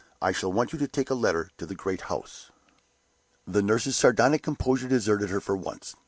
I shall want you to take a letter to the great house." The nurse's sardonic composure deserted her for once.